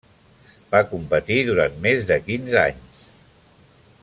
Va competir durant més de quinze anys.